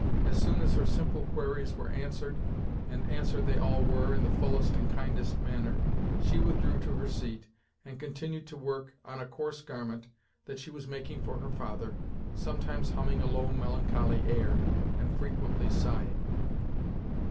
As soon as her simple queries were answered and answered they all were, in the fullest and kindest manner she withdrew to her seat, and continued to work on a coarse garment that she was making for her father, sometimes humming a low melancholy air, and frequently sighing.